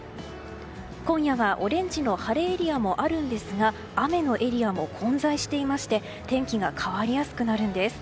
今夜はオレンジの晴れエリアもあるんですが雨のエリアも混在していまして天気が変わりやすくなるんです。